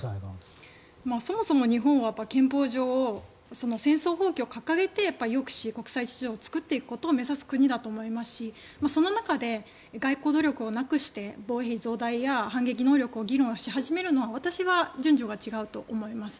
そもそも日本は憲法上、戦争放棄を掲げて抑止、国際秩序を作っていくことを目指す国だと思いますしその中で、外交努力をなくして防衛費増大や反撃能力を議論し始めるのは私は順序が違うと思います。